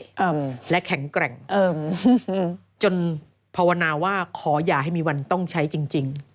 อื้อหือและแข็งแกร่งอื้อจนวันวานาว่าขออย่าให้มีวันต้องใช้จริง